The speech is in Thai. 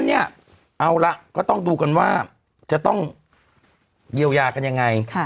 เอาล่ะก็ต้องดูกันว่าจะต้องเยียวยากันยังไง